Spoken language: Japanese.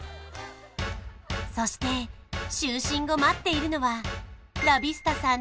そして就寝後待っているのはラビスタさん